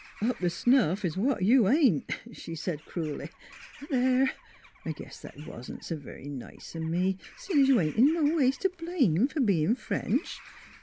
" Up t' snuff means what you ain't/' she said cruelly. ... But there! I guess that wa'n't s' very nice o' me seein' you ain't in no ways t' blame f'r bein' French.